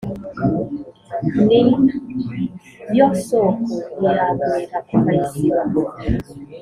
n’iyo soko ntiyagwira ukayisiba.